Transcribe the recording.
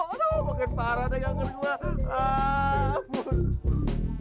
aduh makin parah deh gangguan gue